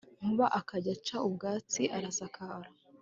Nkuba akajya aca ubwatsi arasakara